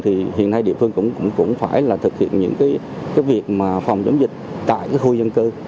thì hiện nay địa phương cũng phải thực hiện những việc phòng dịch tại khu dân cư